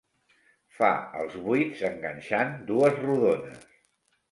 Fa els vuits enganxant dues rodones.